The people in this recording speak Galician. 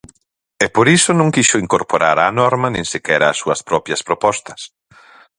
E por iso non quixo incorporar á norma nin sequera as súas propias propostas.